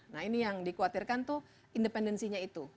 nah ini yang dikhawatirkan tuh independensinya itu